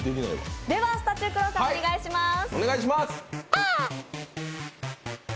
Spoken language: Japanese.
ではスタチュークロウさん、お願いします。